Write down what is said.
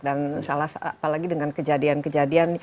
dan apalagi dengan kejadian kejadian